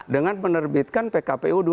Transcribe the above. dengan menerbitkan pkpu dua puluh enam